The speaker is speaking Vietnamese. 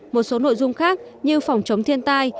một số nội dung khác như phòng chống thiên tai